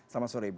selamat sore ibu